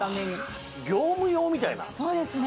そうですね。